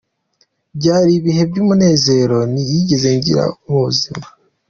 Byari ibihe by’ umunezero ntigeze ngira mu buzima.